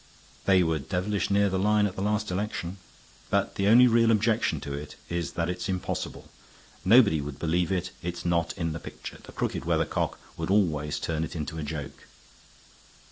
They were devilish near the line at the last election. But the only real objection to it is that it's impossible. Nobody would believe it; it's not in the picture. The crooked weathercock would always turn it into a joke."